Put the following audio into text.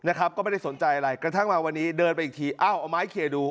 นะครับก็ไม่ได้สนใจอะไรกระทั่งมาวันนี้เดินไปอีกทีอ้าวเอาไม้เคลียร์ดู